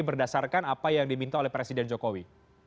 berdasarkan apa yang diminta oleh presiden jokowi